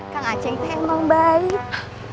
kang aceh itu emang baik